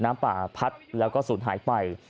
น้ำป่าพัดแล้วก็ศูนย์หายไป